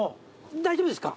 大丈夫ですか？